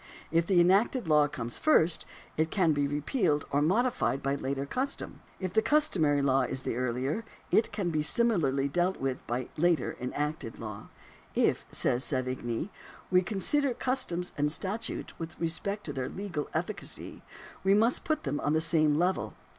If the enacted law comes first, it can be repealed or modified by later custom ; if the cus tomary law is the earlier, it can be similarly dealt with by later enacted law. " If," says Savigny,^ " we consider cus toms and statutes with respect to their legal efficacy, we must put them on the same level.